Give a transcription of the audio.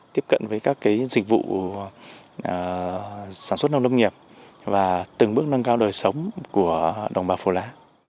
tiếp cận với các dịch vụ sản xuất nông lâm nghiệp và từng bước nâng cao đời sống của đồng bào phù lá